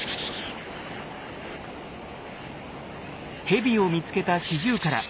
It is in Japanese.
ヘビを見つけたシジュウカラ。